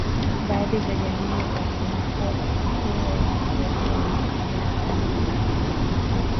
baadhi ya jamii za kina pofu huwa wanazaliwa na pembe Lakini hii kwa hakika